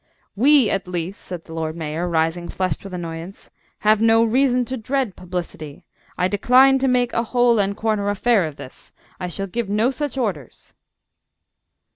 "We, at least," said the Lord Mayor, rising, flushed with annoyance, "have no reason to dread publicity. I decline to make a hole and corner affair of this. I shall give no such orders."